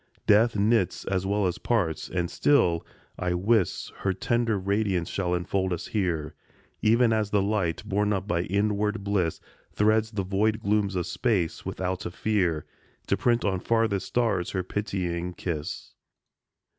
Death knits as well as parts, and still, I wis, Her tender radiance shall enfold us here, Even as the light, borne up by inward bliss, Threads the void glooms of space without a fear, To print on farthest stars her pitying kiss.